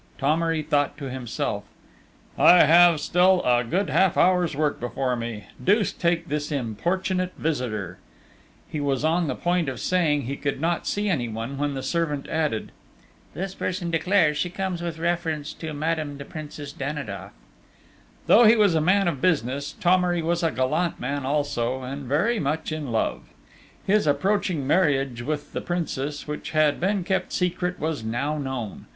Thomery thought to himself: "I have still a good half hour's work before me ... deuce take this importunate visitor!" He was on the point of saying he could not see any one, when the servant added: "This person declares she comes with reference to Madame the Princess Danidoff." Though he was a man of business, Thomery was a gallant man also; and very much in love; his approaching marriage with the Princess, which had been kept secret, was now known.